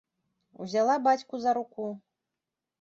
Узяла бацьку за руку.